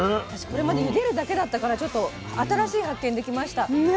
私これまでゆでるだけだったからちょっと新しい発見できました。